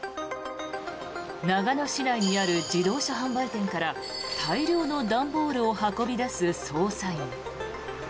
長野市内にある自動車販売店から大量の段ボールを運び出す捜査員。